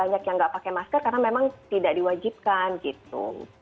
banyak yang nggak pakai masker karena memang tidak diwajibkan gitu